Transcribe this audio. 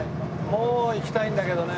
もういきたいんだけどね。